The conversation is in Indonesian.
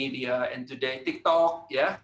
dan hari ini tiktok